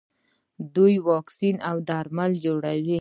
دوی واکسین او درمل جوړوي.